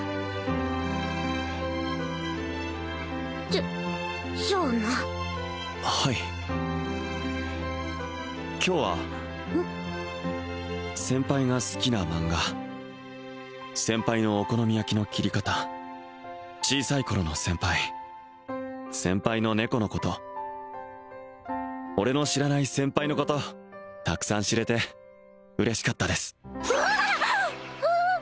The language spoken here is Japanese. じゃじゃあなはい今日は先輩が好きなマンガ先輩のお好み焼きの切り方小さい頃の先輩先輩の猫のこと俺の知らない先輩のことたくさん知れて嬉しかったですんあっ！